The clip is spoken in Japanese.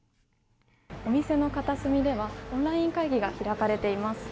お店の片隅ではオンライン会議が開かれています。